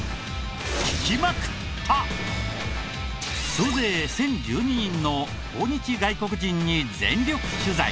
総勢１０１２人の訪日外国人に全力取材。